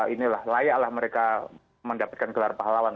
inilah layaklah mereka mendapatkan gelar pahlawan